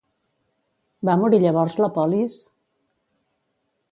Va morir llavors la polis?